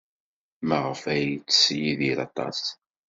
Maɣef ay yettess Yidir aṭas?